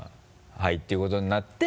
「はい」っていうことになって。